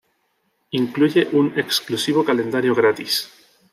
Incluye un exclusivo calendario gratis.